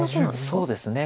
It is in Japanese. そうですね。